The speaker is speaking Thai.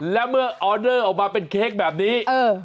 และเมื่อออเดอร์ออกมาเป็นเค้กแบบนี้